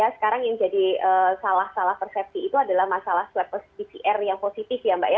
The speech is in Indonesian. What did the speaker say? sekarang yang jadi salah salah persepsi itu adalah masalah swab pcr yang positif ya mbak ya